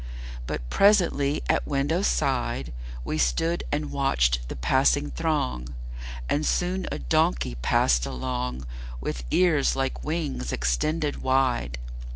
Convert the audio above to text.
But presently at window side We stood and watched the passing throng, And soon a donkey passed along With ears like wings extended wide.